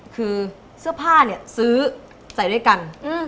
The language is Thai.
คือเสื้อผ้าเนี่ยซื้อใส่ด้วยกัน